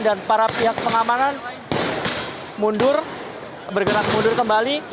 dan para pihak pengamanan bergerak mundur kembali